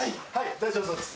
大丈夫そうです。